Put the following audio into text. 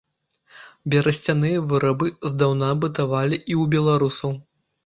Берасцяныя вырабы здаўна бытавалі і ў беларусаў.